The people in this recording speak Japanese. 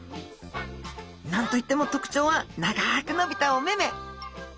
何と言っても特徴は長く伸びたお目目。